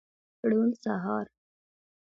روڼ سهار